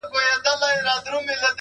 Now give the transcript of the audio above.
• بل فلسطین بله غزه دي کړمه..